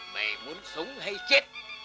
mày muốn sống hay chết